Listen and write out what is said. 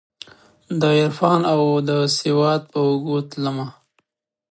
دعرفان اودسواد په اوږو تلمه